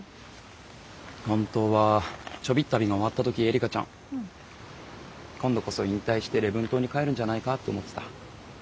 本当は「ちょびっ旅」が終わった時えりかちゃん今度こそ引退して礼文島に帰るんじゃないかって思ってた。